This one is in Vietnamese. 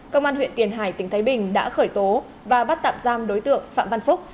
công an huyện tiền hải tỉnh thái bình đã khởi tố và bắt tạm giam đối tượng phạm văn phúc